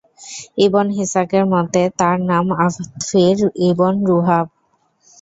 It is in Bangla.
ইবন ইসহাকের মতে, তাঁর নাম আতফীর ইবন রূহায়ব।